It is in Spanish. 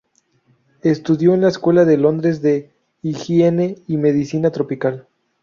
Estudió en la Escuela de Londres de Higiene y Medicina Tropical.